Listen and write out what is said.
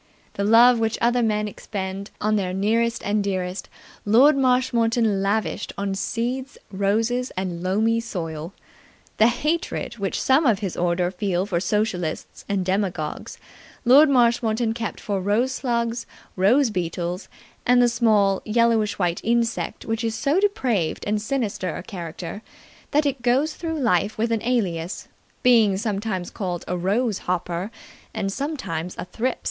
The love which other men expend on their nearest and dearest Lord Marshmoreton lavished on seeds, roses and loamy soil. The hatred which some of his order feel for Socialists and Demagogues Lord Marshmoreton kept for rose slugs, rose beetles and the small, yellowish white insect which is so depraved and sinister a character that it goes through life with an alias being sometimes called a rose hopper and sometimes a thrip.